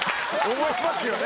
思いますよね。